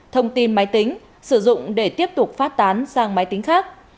thông tin máy tính sử dụng để tiếp tục phát tán sang máy tính khác